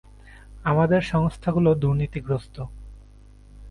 আমাদের সংস্থাগুলো দুর্নীতিগ্রস্ত।